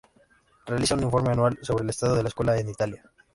Realiza un informe anual sobre el estado de la escuela en Italia.